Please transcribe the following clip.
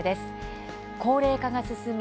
高齢化が進み